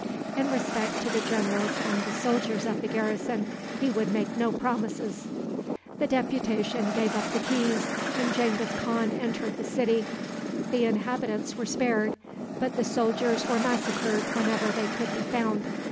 In respect to the generals and the soldiers of the garrison he would make no promises. The deputation gave up the keys and Genghis Khan entered the city. The inhabitants were spared, but the soldiers were massacred wherever they could be found.